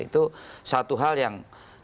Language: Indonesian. itu satu hal yang